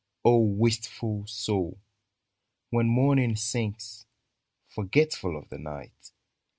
O wistful soul. When morning sings, Forgetful of the night.